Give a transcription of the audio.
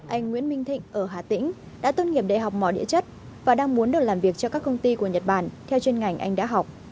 anh nguyễn minh thịnh ở hà tĩnh đã tôn nghiệp đại học mỏ địa chất và đang muốn được làm việc cho các công ty của nhật bản theo chuyên ngành anh đã học